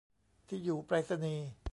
ที่อยู่ไปรษณีย์